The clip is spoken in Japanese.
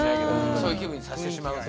そういう気分にさせてしまうという。